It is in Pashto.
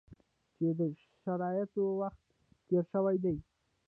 چې د شرایطو وخت تېر شوی دی.